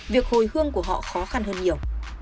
việc hồi hương của họ khó khăn hơn nhiều